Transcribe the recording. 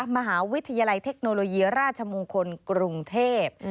มหาวิทยาลัยเทคโนโลยีราชมงคลกรุงเทพ